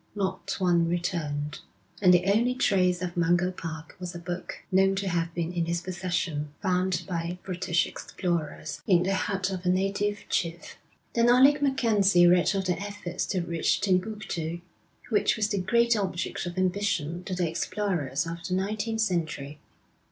Not one returned; and the only trace of Mungo Park was a book, known to have been in his possession, found by British explorers in the hut of a native chief. Then Alec MacKenzie read of the efforts to reach Timbuktu, which was the great object of ambition to the explorers of the nineteenth century.